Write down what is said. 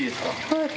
はい。